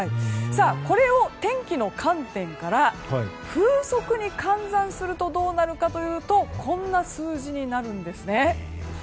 これを天気の観点から風速に換算するとどうなるかというとこんな数字になるんですね。